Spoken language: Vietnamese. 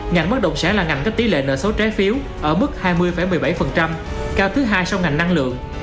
ngành bất động sản là ngành có tỷ lệ nợ số trái phiếu ở mức hai mươi một mươi bảy cao thứ hai so với ngành năng lượng